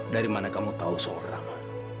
dari mana kamu tahu suara rama